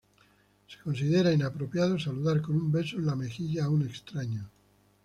Se considera inapropiado saludar con un beso en la mejilla a un extraño.